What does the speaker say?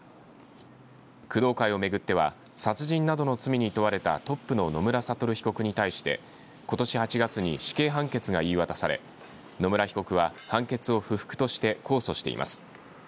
工藤会をめぐっては殺人などの罪に問われたトップの野村悟被告に対してことし８月に死刑判決が言い渡され野村被告は、判決を不服として控訴しています。